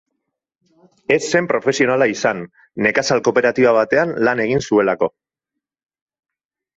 Ez zen profesionala izan, nekazal-kooperatiba batean lan egin zuelako.